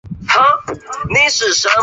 主演暴坊将军。